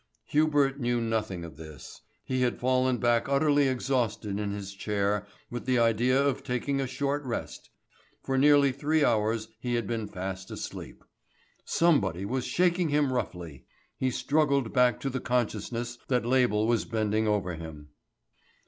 Hubert knew nothing of this. He had fallen back utterly exhausted in his chair with the idea of taking a short rest for nearly three hours he had been fast asleep. Somebody was shaking him roughly. He struggled back to the consciousness that Label was bending over him.